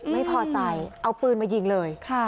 ไม่พอใจเอาปืนมายิงเลย